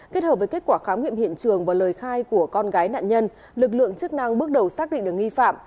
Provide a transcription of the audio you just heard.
kết hợp với kết quả khám nghiệm hiện trường và lời khai của con gái nạn nhân lực lượng chức năng bước đầu xác định được nghi phạm